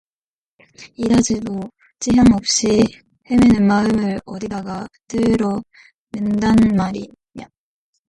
이다지도 지향없이 헤매는 마음을 어디다가 붙들어맨단 말이냐.